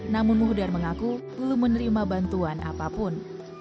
namun muhdar mengaku belum menerima bantuan apapun